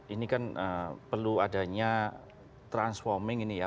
ini kan perlu adanya transforming ini ya